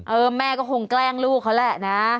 เออแม่ก็คงแกล้งลูกเขาแหละนะ